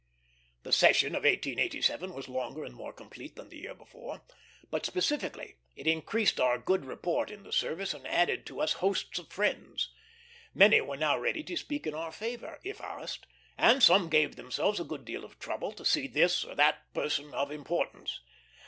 The session of 1887 was longer and more complete than the year before; but specifically it increased our good report in the service and added to us hosts of friends. Many were now ready to speak in our favor, if asked; and some gave themselves a good deal of trouble to see this or that person of importance.